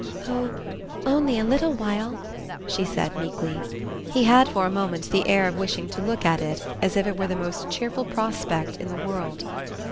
"Oh only a little while," she said meekly. He had for a moment the air of wishing to look at it as if it were the most cheerful prospect in the world.